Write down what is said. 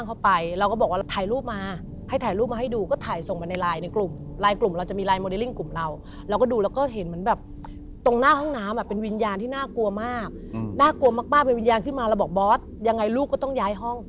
น่ากลัวมากเป็นวิญญาณขึ้นมาแล้วบอกบอสยังไงลูกก็ต้องย้ายห้อง